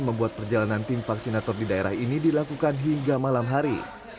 membuat perjalanan tim vaksinator di daerah ini dilakukan hingga malam hari